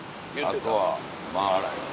あとはマーライオン。